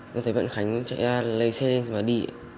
rồi thấy vận khánh chạy ra lấy xe lên và đi